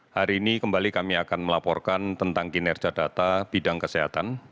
hari ini kembali kami akan melaporkan tentang kinerja data bidang kesehatan